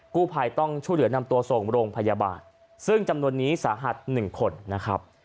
กู้ภัยต้องช่วยเหลือนำตัวส่งโรงพยาบาลซึ่งจำนวนนี้สาหัส๑คนนะครับ